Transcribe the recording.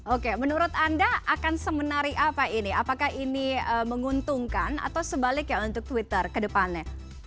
oke menurut anda akan semenari apa ini apakah ini menguntungkan atau sebaliknya untuk twitter ke depannya